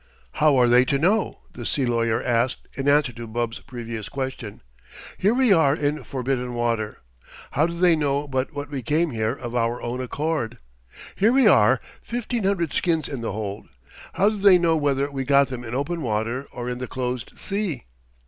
"How are they to know?" the sea lawyer asked in answer to Bub's previous question. "Here we are in forbidden water. How do they know but what we came here of our own accord? Here we are, fifteen hundred skins in the hold. How do they know whether we got them in open water or in the closed sea?